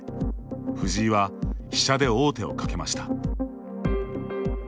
藤井は、飛車で王手をかけました。